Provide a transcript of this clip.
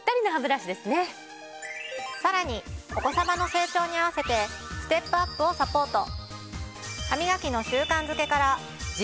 さらにお子さまの成長に合わせてステップアップをサポート。